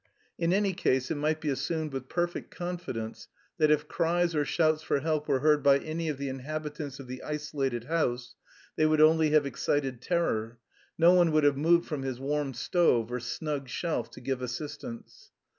In any case it might be assumed with perfect confidence that if cries or shouts for help were heard by any of the inhabitants of the isolated house they would only have excited terror; no one would have moved from his warm stove or snug shelf to give assistance.